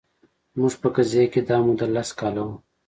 زموږ په قضیه کې دا موده لس کاله وه